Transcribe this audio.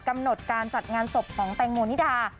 กำหนดการจัดงานศพของแตงโมนิดา